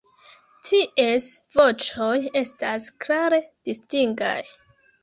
Ties voĉoj estas klare distingaj.